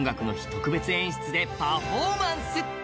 特別演出でパフォーマンス！